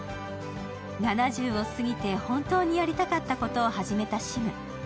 ７０を過ぎて、本当にやりたかったことを始めたシム。